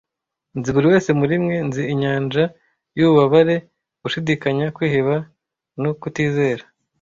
Nzi buri wese muri mwe, nzi inyanja yububabare, gushidikanya, kwiheba no kutizera.